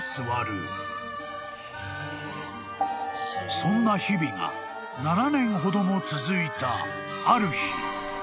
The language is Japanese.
［そんな日々が７年ほども続いたある日］